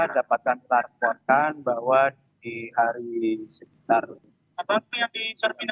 dapatkan melaporkan bahwa di hari segini